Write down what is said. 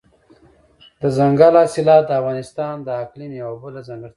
دځنګل حاصلات د افغانستان د اقلیم یوه بله ځانګړتیا ده.